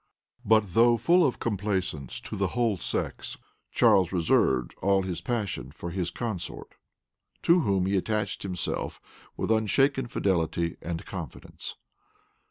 But though full of complaisance to the whole sex, Charles reserved all his passion for his consort, to whom he attached himself with unshaken fidelity and confidence.